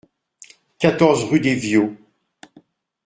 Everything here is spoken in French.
quatorze rue des Vios